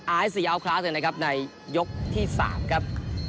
อายศรีเอาคลาสเลยนะครับในยกที่๓ครับ